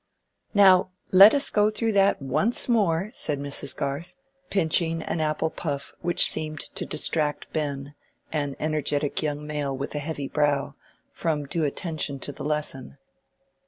"Now let us go through that once more," said Mrs. Garth, pinching an apple puff which seemed to distract Ben, an energetic young male with a heavy brow, from due attention to the lesson.